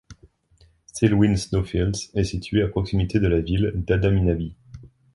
Selwyn Snowfields est situé à proximité de la ville de Adaminaby.